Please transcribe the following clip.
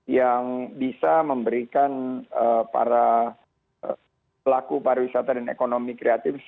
yang bisa memberikan para pelaku pariwisata dan ekonomi kreatif